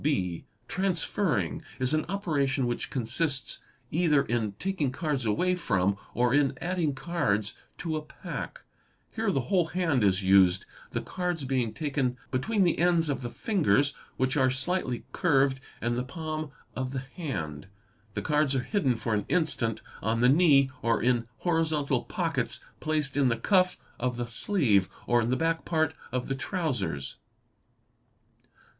| (b) Transferring is an operation which consists either in taking cards away from or in adding cards to a pack. Here the whole hand is used, the cards being taken between the ends of the fingers, which are slightly curved, and the palm of the hand. 'The cards are hidden for an instant on the knee, or in horizontal pockets placed in the cuff of the sleeve, or in the back part of the trousers.